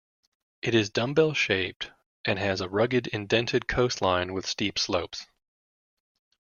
It is dumbbell-shaped and has a rugged indented coastline with steep slopes.